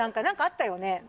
なんかあったよね